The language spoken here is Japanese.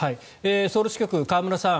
ソウル支局、河村さん